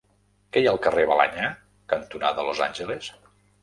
Què hi ha al carrer Balenyà cantonada Los Angeles?